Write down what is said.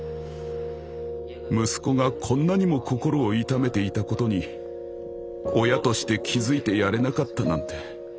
息子がこんなにも心を痛めていたことに親として気付いてやれなかったなんて。